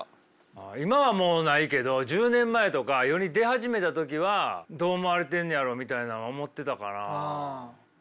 あ今はもうないけど１０年前とか世に出始めた時はどう思われてんねやろみたいなんは思ってたかな。